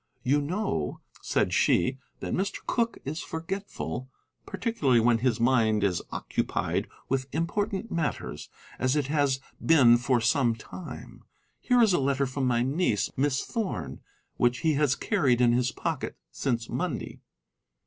"You know," said she, "that Mr. Cooke is forgetful, particularly when his mind is occupied with important matters, as it has been for some time. Here is a letter from my niece, Miss Thorn, which he has carried in his pocket since Monday.